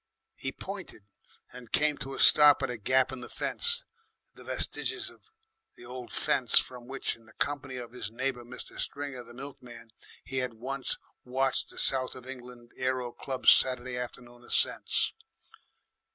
He pointed, and came to a stop at a gap in the fence, the vestiges of the old fence from which, in the company of his neighbour Mr. Stringer the milkman, he had once watched the South of England Aero Club's Saturday afternoon ascents.